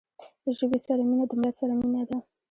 له ژبې سره مینه د ملت سره مینه ده.